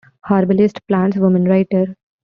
Herbalist, plants women, writer.